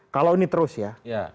kalau ini terus ya